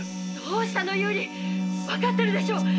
「どうしたのユーリ⁉わかってるでしょ。